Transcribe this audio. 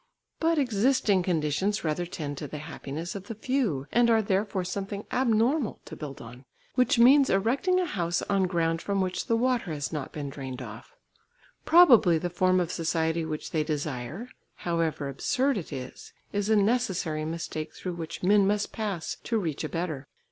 But existing conditions rather tend to the happiness of the few, and are therefore something abnormal to build on, which means erecting a house on ground from which the water has not been drained off. Probably the form of society which they desire, however absurd it is, is a necessary mistake through which men must pass to reach a better.